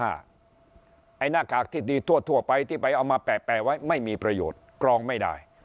ไอ้หน้ากากที่ดีทั่วไปที่ไปเอามาแปะไว้ไม่มีประโยชน์กรองไม่ได้